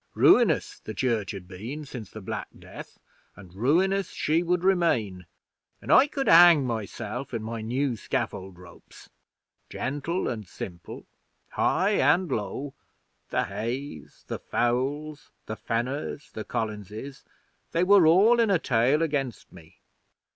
Ruinous the church had been since the Black Death, and ruinous she would remain; and I could hang myself in my new scaffold ropes! Gentle and simple, high and low the Hayes, the Fowles, the Fenners, the Collinses they were all in a tale against me.